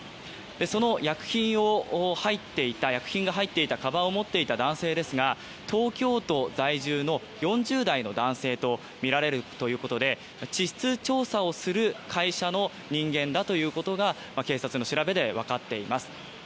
その薬品が入っていたかばんを持っていた男性ですが、東京都在住の４０代男性とみられるということで地質調査をする会社の人間だということが警察の調べで分かっています。